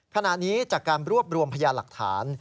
ขณะนี้จากการรวบรวมพยานหลักฐาน